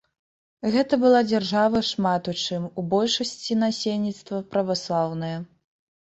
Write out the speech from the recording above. Гэта была дзяржава шмат у чым, у большасці насельніцтва праваслаўная.